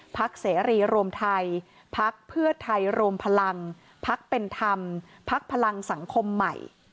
เสรีรวมไทยพักเพื่อไทยรวมพลังพักเป็นธรรมพักพลังสังคมใหม่